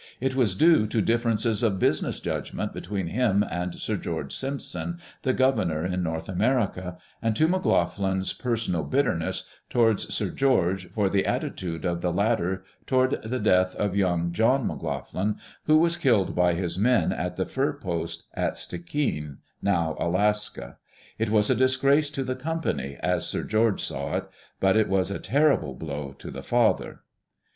It was due to differences of business judgment between him and Sir George Simpson, the Governor in North America, and to McLoughlin's per sonal bitterness towards Sir George for the attitude of the latter toward the death of young John McLoughlin, who was killed by his men at the fur post at Stikene, now Alaska. It was a disgrace to the Company as Sir George saw it ; but it was a terrible blow to the father.